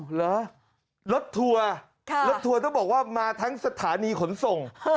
เหรอรถทัวร์รถทัวร์ต้องบอกว่ามาทั้งสถานีขนส่ง